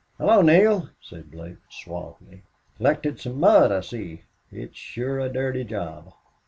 "Hello, Neale!" said Blake, suavely. "Collected some mud, I see. It's sure a dirty job."